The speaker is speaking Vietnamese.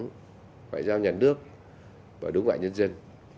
ngoại giao nhà nước và đối ngoại nhân dân